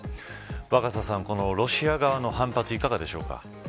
若狭さん、このロシア側の反発いかがでしょうか。